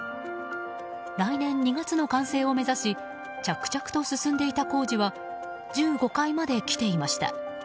来年２月の完成を目指し着々と進んでいた工事は１５階まで来ていました。